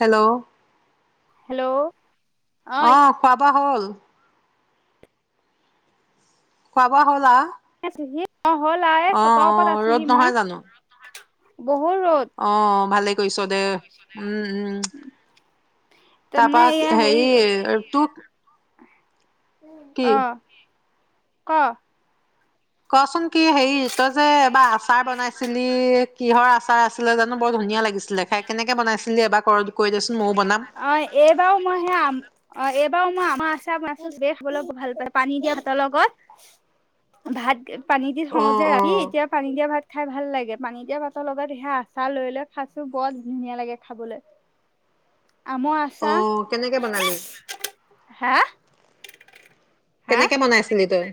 Hello hello অ কোৱা পোৱা হ'ল খোৱা বোৱা হ'ল আৱ এ ছিজি [unintelligible] অ হ'ল আৱ এই চতৰ অ ওপৰত আছোহি মই ৰ'দ নহয় জানো বহুত আহ ভালেই কৰিছ দে উম উম তাৰমানে তাপা এয়া হেৰি তো আহ ক কচোন কি হেৰি তই যে এবাৰ আছ আচাৰ বনাইছিলি কিহৰ আচ আচাৰ আছিলে জানো বৰ ধুনীয়া লাগিছিলে খাই কেনেকে বনাইছিলি এবাৰ ক কেনেকে বনাইছিলি এইবাও মই হে আম এই বাৰু মই আমাৰ আচাৰ বনাইছিলো খাবলৈ বহুত ভাল পায় পানী দিয়া ভাতৰ লগত ভাত পানী দি অ খাওঁ যে অ ৰাতি এতিয়া পানী দিয়া ভাত খাই ভাল লাগে পানী দিয়া ভাতৰ লগত সেয়া আচাৰ লৈ লৈ খাইছো বৰ ধুনীয়া লাগে খাবলৈ আমৰ আচাৰ আহ কেনেকে বনালি হা হা কেনেকে বনাইছিলি তই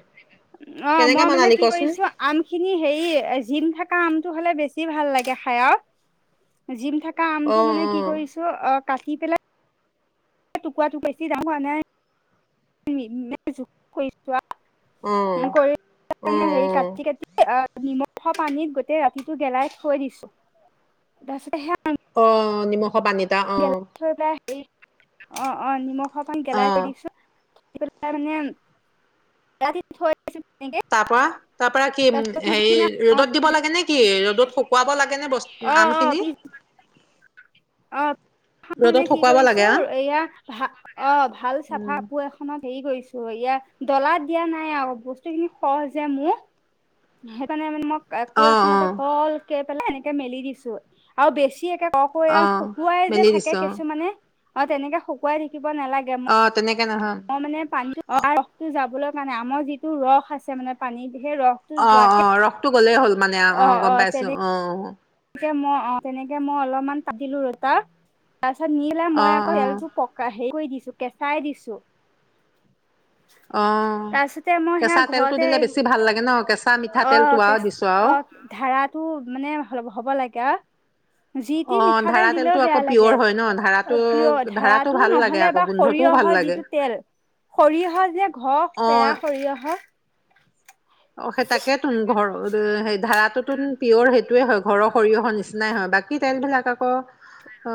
অ কেনেকে মই মানে বনালি কি কচোন কৰিছো আম খিনি হেৰি জিম থাক কামটো হ'লে বেছি ভাল লাগে খাই আৰু জিম থা অ অ কামটো মানে কি কৰিছ অ কাটি পেলাই টুকুৰা টুকুৰি [unintelligible] ডাঙৰ নাই কৰিছোঁ অ কৰি অ কিনে হেই কাটি কাটি আ নিমখ খোৱা পানীত গোতেই ৰাতিটো গেলাই থৈ দিছো তাৰপিছত সেয়া অ অ নিমখ পানীত অ থৈ পেলাই এই অ অ নিমখ অকমান অ গেলাই থৈ দিছোঁ হেৰী কৰি পেলাই মানে ৰাতি থৈ দিছো তেনেকে তাৰ পৰা তাৰ পৰা কি তাৰপিছত হেৰি পিছদিনা ৰ'দত দিব লাগে নে কি ৰ'দত শুকুৱাব লাগে নে বস্তু অ অ আমখিনি পিছ অ ৰ'দত মানে কি শুকুৱাব কৰিছো লাগে আ এয়া ভা অ ভাল চাফা উম কো এখনত হেৰি কৰিছো এয়া ডলাত দিয়া নাই আৰু বস্তু খিনি সহজে মোৰ সেইকাৰণে মানে মই কাপোৰ অ অ এখনতে কল কে পেলাই এনেকে মেলি দিছো আৰু বেছি একে অ খখৈয়া শুকুৱাই যে মেলি থাকে দিছো অ কিছুমানে অ তেনেকে শুকুৱাই থাকি দিব নালাগে মই অ তেনেকে নহয় অ মানে পানী অ ৰসটো যাবলৈ মানে আমাৰ যিটো ৰস আছে মানে পানীত সেই ৰসটো অ অ যোৱাকে ৰসটো গ'লেই হ'ল মানে অ গম পাইছো অ মই অ তেনেকে মই অলপমান তা দিলো আৰু তাৰ তাৰ পিছত নিলে অ মই আকৌ অ তেলটো পকাই হেৰি কৰি দিছো কেঁচাই দিছো অঁ তাৰপিছতে মই সেয়া কেঁচা তেলটো ঘৰতে দিলে বেছি ভাল লাগে ন কেঁচা অ মিঠাতেলটো আৰু কেচ দিছোঁ আৰু অ ধাৰাটো মানে হ'ব লাগে আও যি অ টি মিঠাতেল ধাৰা তেলটো দিলেও আকৌ বেয়া পিয়ৰ লাগে হয় ন ধাৰাটো পিয় ধাৰাটো ধৰাটো ভাল লাগে নহলে আকৌ বা গোন্ধটোও ভাল সৰিয়হৰ লাগে যিটো তেল সৰিয়হ যে ঘ অ পেৰা সৰিয়হ অ সেই তাকে তুম ঘৰ হেৰি ধাৰাটোতো পিয়'ৰ সেইটোৱেই হয় ঘৰৰ সৰিয়হৰ নিচিনাই হয় বাকী তেলবিলাক আকৌ অ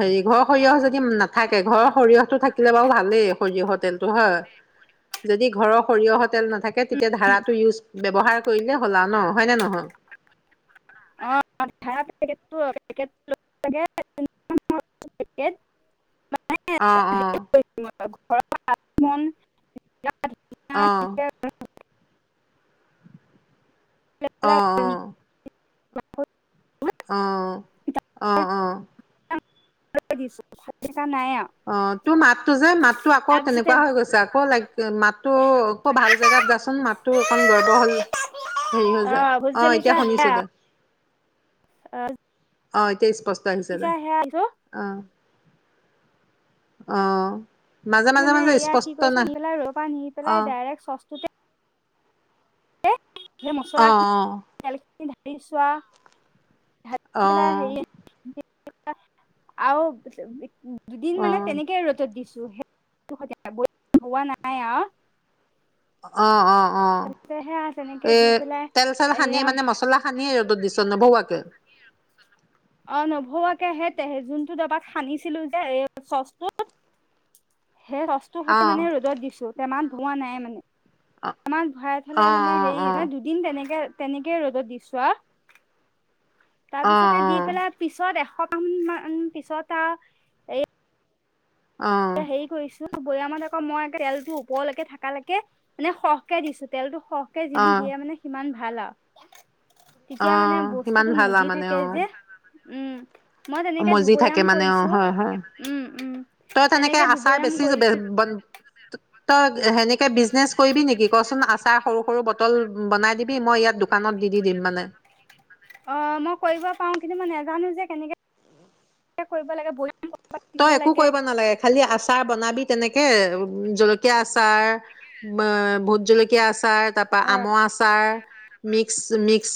হেৰি ঘৰ সৰিয়হ যদি নাথাকে ঘৰৰ সৰিয়হ টো থাকিলে বাৰু ভালেই সৰিয়হ টেলটো হয় যদি ঘৰৰ সৰিয়হ টেল নাথাকে তেতিয়া ধাৰা টো ইউজ ব্যয়ৱহাৰ কৰিলে হ'ল আৰু ন হয়নে নহয়? অ [unintelligible] অ অ ঘৰৰ আগমন অ [unintelligible] অ অ বত অ অ অ [unintelligible] নাই আও অ তোৰ মাত যে মাততোযে, মাততোযে আকৌ তেনেকুৱা হৈ গৈছে, আকৌ লাইক মাততো আকৌ, ভাল জেগাত যাচোন মাততো অকণ গৰবৰ হ'ল হেৰি হৈ যায় অ, এতিয়া শুনিছো দে। অ'! অ' এতিয়া স্পষ্ট আহিছে দে, অ অ'হ। মানে এয়া কি কৈছো নি পেলাই ঘৰৰ পৰা নি অ পেলাই, ডাইৰেক্ট চচতুতে এ অ মছলািনি তে ধৰিছোৱা অ পেলাই হেৰি আৰু দুদিন অ অ মানে তেনেকে ৰ'দত দি হোৱা নাই অ'হ অ' অ' অঁ সেয়া তেনেকে এই দি পেলাই তেল চেল সানিয়ে, এয়া মানে মছলা সানিয়েই ৰ'দত দিছোঁ ন নবহোৱাকে। অ নভৰোৱাকেহে তেহে যোনটো দবাত খান্দিছিলোঁ যে এই চ'চটোত। সেই ৰসটো অ সেইটো মানে ৰ'দত দিছো টেমাত ধোওৱা নাই মানে। অ আমাক ভৰাই অ থালে অ মানে হেৰি, অ নে দুদিন তেনেকে। তেনেকে ৰ'দত দিছো আৰু অ' অ'। পিছত এশ গ্ৰাম মান পিছত আৰু এ অ অ এ হেৰি কৰিছোঁ। বৈয়ামত আকৌ মই তেল ওপৰলৈকে থাকালৈকে মানে সৰহকে দিছোঁ তেলতটো। সৰহকে অ যিমান দিয়ে মানে সিমান ভাল আৰু। অ তেতিয়া মানে সিমান বস্তুটো ভাল আৰু মজি মানে অ থাকে যে উম। মই তেনেকে মজি থাকে দুবৈয়াম মানে অ কৰিছোঁ উম। উম। সেই আচাৰ দুবৈয়াম বেছি কৰিছো সেনেকে [inaudible] বিজনেছ কৰিবি নেকি ক ছোন? আচাৰ সৰু সৰু ব পটল বনাই দিবি, মই ইয়াত দোকানত দি দি দিম মানে। অ মই কৰিব পাৰো কিন্তু মই নাজানো যে কেনেকে কৰিব লাগে? তই কিনিব একো লাগে কৰিব নালাগে খালি আচাৰ বনাবি তেনেকে উ জলকীয়া আচাৰ ভোট জলকীয়া আচাৰ তাৰপা আমৰ আচাৰ মিক্স মিক্স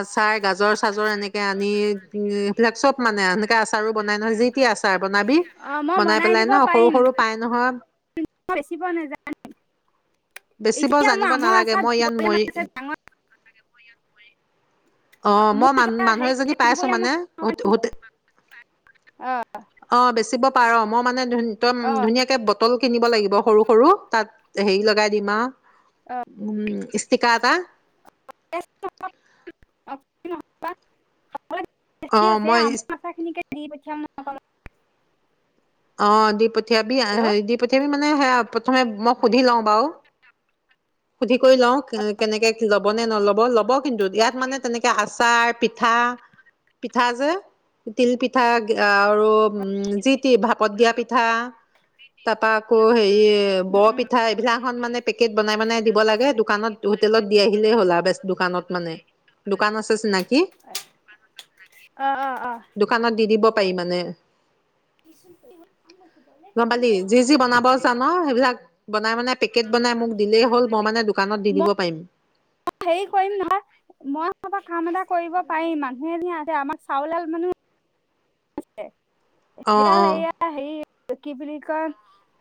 আচাৰ গাজৰ চাজৰ এনেকে আনি উম এইবিলাক চব মানে আচাৰ বনাই যি তি আ চাৰ বনাবি অ মই বনাই পেলাই দিব ন সৰু পাৰিম সৰু পাই নহয় মই বেচিব নাযায় বেছি বৰ এতিয়া মই জানিব আমৰ নালাগে আচাৰ মই ইয়াত দুবৈয়াম মৰি আছে ডাঙৰ আহ মোৰ মই মান এতিয়া মানুহ হেৰি এজনী সেই পাই আছো দুবৈয়ামত মানে হোট অ বেচিব পাৰ মই মানে ধুনম ধুনীয়াকে পটল কিনিব লাগিব সৰু সৰু তাত হেৰি লগাই দিম আৰু উম ইস্তিকা এটা অ মই আমাৰ আথা খিনিকে দি পঠ ন অ হেল্ল' দিপথিয়বী-দিপথিয়াবি মানে সেয়া প্ৰথমে মই সুধি লওঁ বাৰু হোধি লওঁ কেনেকে ল'ব নে নল'ব ব ল'বক কিন্তু ইয়াত মানে তেনেকে আচাৰ পিঠা পিঠা যে তিল পিঠা আৰু উম যি ভাপত দিয়া পিঠা তাৰ পৰাা আকৌ হেৰি উম বৰ উম পিঠা এইবিলাক এখন মানে পেকেট বনাই মানে লাগে দোকানত হোটেলত দি আহিলে হ'ল আ দোকান আছে চিনাকি অ অ অ দোকানত কিনিব পাৰি মানে ভাং গছে দলে ত গম নি পালি আ যি যি বনাব [unintelligible] জান সেইবিলাক বনাই মানে পেকেট বনাই মোক দিলেই হ'ল মানে দোকানত দি দিব পাৰিম হে কৰিম নহয় মই কাম ক এটা কৰিব পাৰি মানুহেতে আমাৰ চাউলাল মানুহ [unintelligible] অ নিশয় গাল অ এইয়া সেই কি বুলি কাৰণ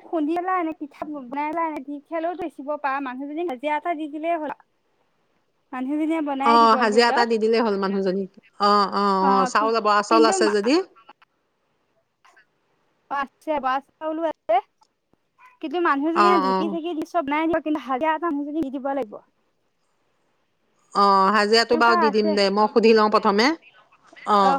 খুন্দি লা এনে পিঠা বনাই লা এনে দি খাললেও ধৈ চিব পাৰ মানুহজনী হাজৰা এটা দি দিলেই হ'ল। মানুহজনীয়ে অ বনাই দিব ধৰি হাজিৰা ল এটা দি দিলেই হ'ল মানুহজনীক অ অ অ কি চাউল যাব চাউল কিন্তু আছে যদি অ আছে বাছ চাউললো আছে। কিন্তু অ মানুহজননে অ ঢেকি -চেকি দি চব নাইিয়ক কিন্তু হালিয়া তামোলখিনি দি দিব লাগিব। অঁ হাজিৰাটো বাৰু তেনেকুৱা দি দিম আছে দে মই সুধি লওঁ প্ৰথমে অঁ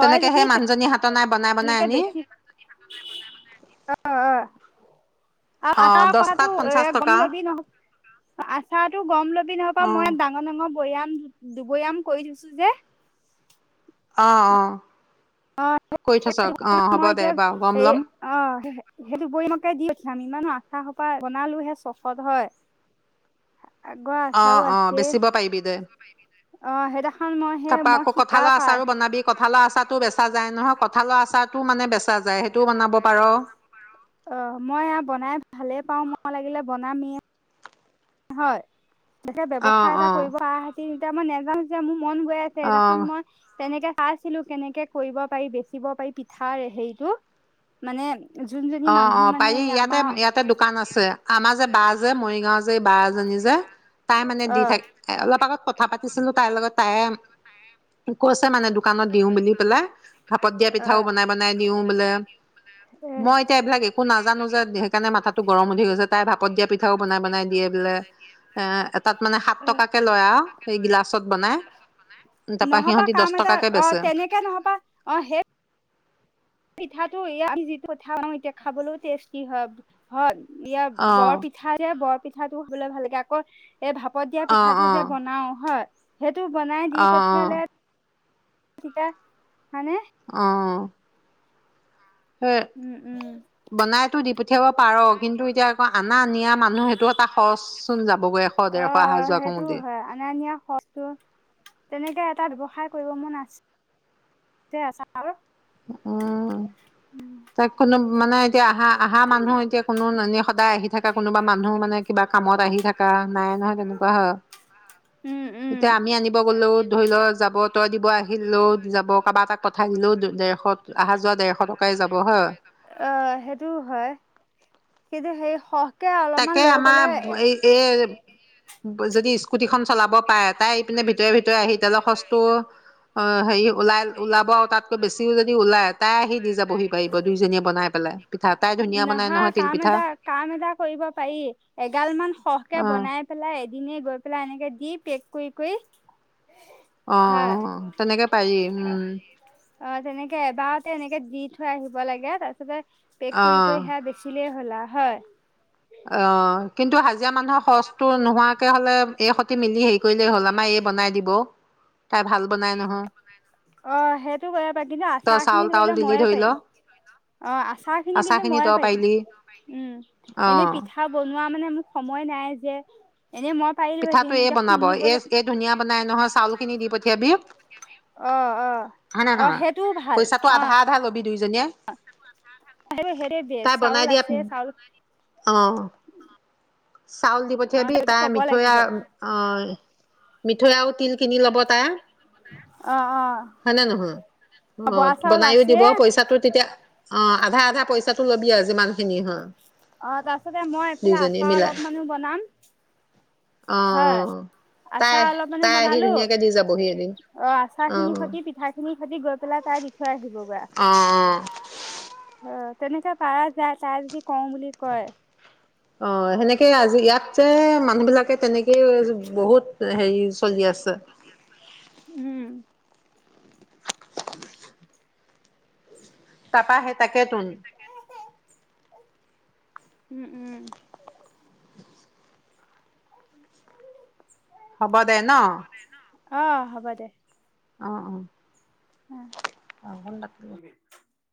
তেনেকৈ সেই মানুহজনী হাত নাই বনাই বনাই এনেকে আনি বেছি অ আহ আৰু অ আচাৰ কথাাতটো দহটাত পঞ্চাশ এ গম টকা লবি নহ আচাৰো গম লবি নহব অ মই ডাঙৰ ডাঙৰ বৈয়াম দুবৈয়াম কৰি দিছো যে আহ অ অ মই কৰি [unintelligible] থৈছ অ হ'ব দে এতিয়া বাৰু গম ল'ম অ সেইটো বৈমকে দি উঠিয়ামি পিঠা সোপাই বনালো হে চখত হয়। আগৰ অ আচাৰো অ আছে বেচিব পাৰিবি দেই অ', সেইদিনাখন মই সেই তাৰাপা মই আকৌ শিকা কঠালৰ পা আচাৰো বনাবি কঁঠালৰ আচাৰো বেচ চা যায় নহয় কঁঠালৰ আচাৰটো মানে বেচা যায় সেইটোও বনাব পাৰ অ মই আৰু বনাই ভালেই পাও মই লাগিলে বনামেই হয় তেনেকে অ ব্যৱসায় এটা কৰিব পৰা হ'লে তিনিট মান নাযাওঁ যে ম মন গৈ আছে অ এেইনাখন মই তেনেকে খাইছিলো কেনেকে কৰিব পাৰি বেচিব পাৰি পিঠাৰে হেৰিতটো মানে যোনজনী অ মানুহ অ মানে পাৰি এই ইয়াতে আমাৰ ইয়াতে দোকান আছে আমাৰ যে বাহ যে মৰিগাঁও যে বাজনী যে তাই মানে দি অ'। থাক অলপ আগত কথা পাতি ছিলো তাইৰ লগত তাইে কৈছে মানে দোকানত দিওঁ বুলি পেলাই ভাপত দিয়া পিঠাও আহ বনাই বনাই দিওঁ বোলে আহ মই এতিয়া এইবিলাক একো নাজানো যে সেইকাৰণে মাথাাতটো গৰম উঠি গৈছে তাই ভাপত দিয়া পিঠাও বনাই বনাই দিয়ে বোলে এ এটাত মানে সাত আহ টকাকে লয় আৰু সেই গিলাচত বনাই তাৰপা নহবা সিহতি দহ টকাকে বেচে হে পিঠাটোঠা এতিয়া খাবলৈও টেষ্টি হয় হয় ইয়া অ বৰ পিঠা যে বৰ পিঠাটো খাবলৈ ভাল লাগে আকৌ এই ভাপত দিয়া অ পিঠাটো, অ যে বনাও হয়। সেইটো বনাই দি অ পঠিয়ালে ঠিকে মানে আহ হ উম উম বনাইো দি পঠিয়াবা পাৰ কিন্তু এতিয়া আকৌ অনা নিয়া মানুহ সেইটো এটা খৰচ চোন যাবগৈ এশ ডেৰশ অহাৰ যোৱা কৰোতে তেনেকৈ এটা ব্যৱসায়ৰ কৰিব মন আছিল তে আছা উম ত একো ন মানে এতিয়া অঁহা আহা মানুহ এতিয়া কোনো এনে সদায় আহি থকা কোনোবা মানুহ মানে কিবা কামত আহি থকা নাই নহয় তেনেকুৱা হয় উম উম এতিয়া আমি আনিব গলো ধৰি লও যাব তই দিব আহিলো যাব কাৰোবাক এটা তাক পঠাই দিলো দে অহা যোৱা দেৰশ টকাই যাব হয় সেই যে সেই অলপমান তাকে লৈ গ'লে আমাৰ এই এ যদি স্কুটিখন চলাব পায়ে, তাই ইপিনে ভিতৰৰে ভিতৰে আহি তেলৰ খৰচ টো অঁ'- হেৰি, ওলাই ওলাব তাতকৈ বেছিও যদি ওলাই তাই আহি দিয যাবহি পাৰিব, দুইজনীয়ে বনাই পেলাই পিঠা। তাই ধুনীয়া বনাই নহা নহয় তিল কাম পিঠা এটা কাম এটা কৰিব পাৰি এগাল মান সৰহকৈ অ বনাই পেলাই এ এদিনে গৈ পেলাই এনেকৈ দি পেক কই কই অঁ' অঁ', তেনেকৈ পাৰি। উম তেনেকৈ দি থৈ থৈ আহিব লাগে, তাপিছতে পেক কই অ কই হেয়া বেচিলে হ হ'ল আৰি হয়। অঁ', কিন্তু হাজিৰা মানুহৰ খৰচটো নোহোৱাকৈও কে হ'লে এ খতি মিলি হেই কৰিলে হ'ল, আমাৰ এ বনাই দিব, খাই ভাল এ [unintelligible] বনাই নহয়, অঁ', হেটো কৰিব পাৰি কিন্তু তই আচাৰখিনি চাউল ধৰি তাউল ল' দিলি ময়ে ধৰি ল পাৰিম। [unintelligible] অঁ আচাৰ খিনি কিন্তু ময়ে পাৰিম। আচাৰ খিনি তয়ে পাৰিবি। উম এনে অ', পিঠা বনোৱা বনোৱা মানে মোৰ সময় নাই যে এনে মই পাৰিলোহেঁতেন পিঠাটো এ এতিয়া বনাব। এ শুনিবলৈ এ ধুনীয়া বনাই নহয়, চাউল খিনি দি পঠিয়াবি অঁ' অঁ', হয় নে অঁ' নহয় হেইটোও ভাল পইচাটো আধা অঁ' আধা ল'বি দুইজনীয়ে, সেইটোৱে বেচ তাই বনাই চাউল দিয়াত, আছে চাউল অঁ' চাউল দি অ পঠিয়াবি সেইটো তাই ক'ব মিঠৈ লাগিব আওঁ অঁ' মিঠৈ আৰু তিল কিনি ল'ব তাই অ' অ' হয় নে নহয়। অ' বৰা চাউল বনাইো আছে দিব পইচাটো তেতিয়া অ', আধা-আধা পইচাটো ল'বি আও, যিমান খিনি হয় অ', তাৰপিছতে মই এইফালে দুইজনীয়ে আচাৰ মিলাই অলপমানানো বনাম হয়, অ' তাই আচাৰ অলপমানো তাই আহি বনালো। ধুনীয়াকে দি যাবহি এদিন অ' আচাৰ খিনিৰ অ' সতি, পিঠা খিনিৰ সতি গৈ পেলাই তাই দি থৈ আহিব গৈ আও অ' তেনেকে পাৰা যায়, তাই যদি কওঁ বুলি কয় অ', সেনেকে আজি, ইয়াত যে মানুহ বিলাকে তেনেকে বহুত হেৰি চলি আছে। উম তাপা হে তাকেতোন উম উম [unintelligible] হ'ব দে ন অ হ'ব দে অ' অ' উম [unintelligible]